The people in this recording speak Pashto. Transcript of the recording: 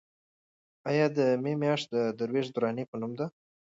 ایا د مې میاشت د درویش دراني په نوم ده؟